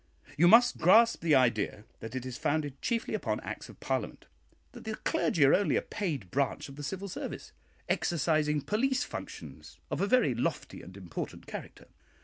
You must grasp the idea that it is founded chiefly upon Acts of Parliament that the clergy are only a paid branch of the Civil Service, exercising police functions of a very lofty and important character.